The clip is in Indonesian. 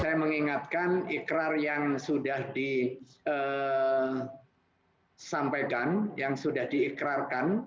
saya mengingatkan ikrar yang sudah disampaikan yang sudah diikrarkan